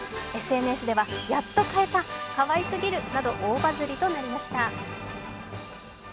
ＳＮＳでは、やっと買えた、かわいすぎるなど大バズりとなりました。